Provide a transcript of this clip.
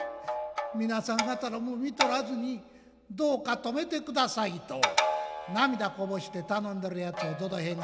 皆さん方らも見とらずにどうか止めてください」と涙こぼして頼んでるやつへどど平が。